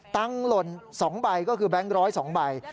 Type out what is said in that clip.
ตังค์หล่น๒ใบก็คือแบงค์ร้อย๒ใบ